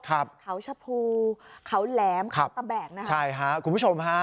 ครับเขาชะพูเขาแหลมเขาตะแบกนะคะใช่ฮะคุณผู้ชมฮะ